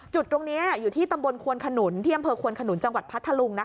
จุดตรงนี้อยู่ที่ตำบลควนขนุนที่อำเภอควนขนุนจังหวัดพัทธลุง